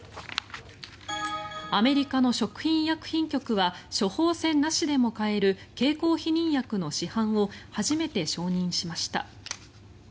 アメリカの食品医薬品局は処方せんなしでも買える経口避妊薬の市販を初めて承認しました。